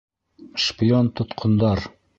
Шпион тотҡандар...